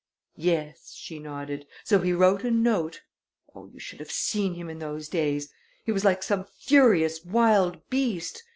"Yes," she nodded, "so he wrote a note oh, you should have seen him in those days! He was like some furious wild beast.